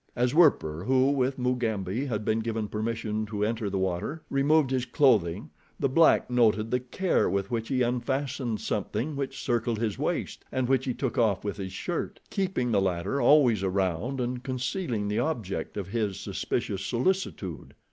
As Werper, who, with Mugambi, had been given permission to enter the water, removed his clothing, the black noted the care with which he unfastened something which circled his waist, and which he took off with his shirt, keeping the latter always around and concealing the object of his suspicious solicitude.